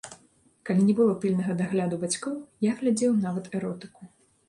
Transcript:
Калі не было пільнага дагляду бацькоў, я глядзеў нават эротыку.